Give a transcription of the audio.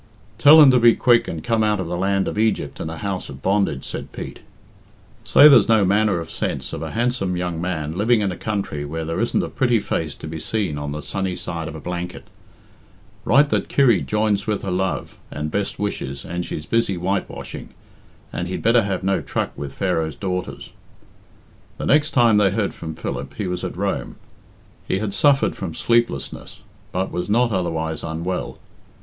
"Tell him to be quick and come out of the land of Egypt and the house of bondage," said Pete. "Say there's no manner of sense of a handsome young man living in a country where there isn't a pretty face to be seen on the sunny side of a blanket. Write that Kirry joins with her love and best respects and she's busy whitewashing, and he'd better have no truck with Pharaoh's daughters." The next time they heard from Philip he was at Rome. He had suffered from sleeplessness, but was not otherwise unwell.